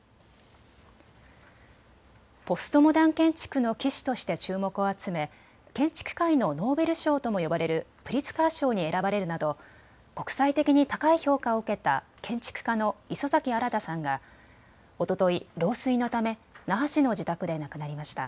ポストモダン建築の旗手として注目を集め建築界のノーベル賞とも呼ばれるプリツカー賞に選ばれるなど国際的に高い評価を受けた建築家の磯崎新さんがおととい老衰のため那覇市の自宅で亡くなりました。